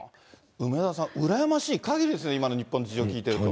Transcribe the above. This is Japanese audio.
梅沢さん、羨ましいかぎりですね、今の日本の事情を見てると。